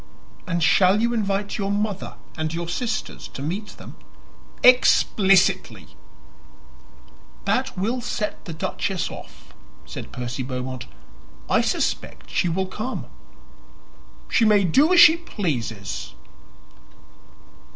"And shall you invite your mother and your sisters to meet them?" "Explicitly!" "That will set the duchess off," said Percy Beaumont. "I suspect she will come." "She may do as she pleases."